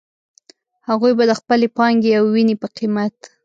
هغوی به د خپلې پانګې او وينې په قيمت.